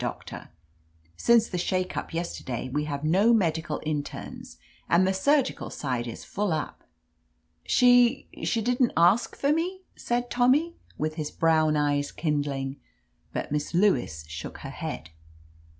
Doctor. Since the shake up yes terday, we have no medical internes, and the surgical side is full up." "She — ^she didn't ask for me !" said Tommy, with his brown eyes kindling. But Miss Lewis shook her head.